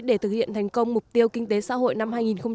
để thực hiện thành công mục tiêu kinh tế xã hội năm hai nghìn một mươi bảy